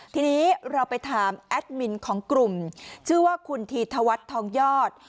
ทีนี้เราไปถามแอดมินของกลุ่มชื่อว่าคุณธีธวัฒน์ทองยอด